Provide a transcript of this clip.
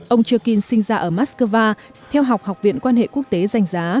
ông cherkin sinh ra ở moscow theo học học viện quan hệ quốc tế danh giá